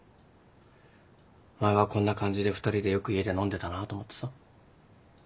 前はこんな感じで２人でよく家で飲んでたなと思ってさ。